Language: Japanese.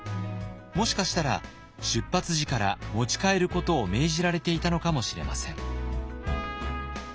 もしかしたら出発時から持ち帰ることを命じられていたのかもしれません。